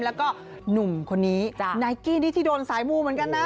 แล้วก็หนุ่มคนนี้นายกี้นี่ที่โดนสายมูเหมือนกันนะ